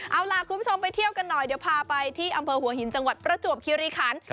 เอาล่ะคุณผู้ชมไปเที่ยวกันหน่อยเดี๋ยวพาไปที่อำเภอหัวหินจังหวัดประจวบคิริคัน